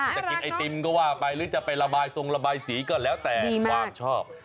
จะกินไอติมก็ว่าไปหรือจะไประบายทรงระบายสีก็แล้วแต่ความชอบ